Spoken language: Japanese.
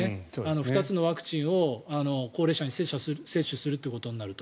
２つのワクチンを高齢者に接種するということになると。